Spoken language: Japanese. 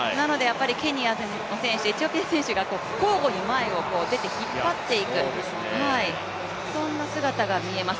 ケニアの選手、エチオピアの選手が交互に前に出て引っ張っていくそんな姿が見えます。